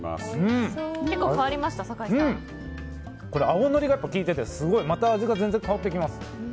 青のりが効いててまた味が全然変わってきます。